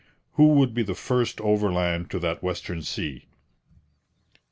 Who would be the first overland to that western sea?